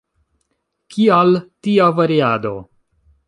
Kial tia variado?